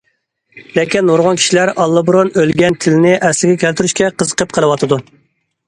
لېكىن، نۇرغۇن كىشىلەر ئاللىبۇرۇن ئۆلگەن تىلنى ئەسلىگە كەلتۈرۈشكە قىزىقىپ قېلىۋاتىدۇ.